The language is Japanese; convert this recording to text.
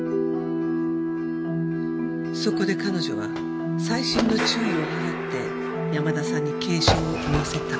そこで彼女は細心の注意を払って山田さんに軽傷を負わせた。